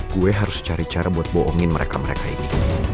gue harus cari cara buat bohongin mereka mereka ini